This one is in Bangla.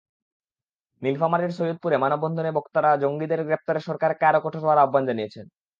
নীলফামারীর সৈয়দপুরে মানববন্ধনে বক্তারা জঙ্গিদের গ্রেপ্তারে সরকারকে আরও কঠোর হওয়ার আহ্বান জানিয়েছেন।